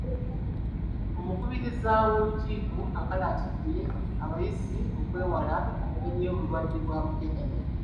Omukubiriza w’Olukiiko akalaatidde abayizi okwewala ennyo obulwadde bwa mukenenya.